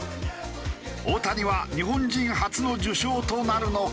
大谷は日本人初の受賞となるのか？